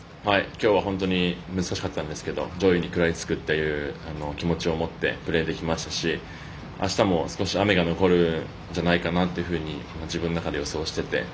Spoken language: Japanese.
今日は本当に難しかったんですけど上位に食らいつくという気持ちを持ってプレーできましたしあしたも少し雨が残るんじゃないかというふうに自分の中で予想していて。